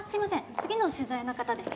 次の取材の方で。